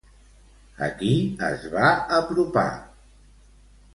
A qui es va apropar?